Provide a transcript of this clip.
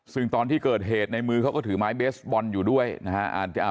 ซึ่งตอนที่เกิดเหตุในมือเขาก็ถือไม้เบสบอลอยู่ด้วยนะฮะ